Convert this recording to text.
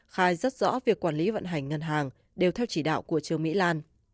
khai rất rõ việc quản lý vận hành ngân hàng đều theo chỉ đạo của trương mỹ lan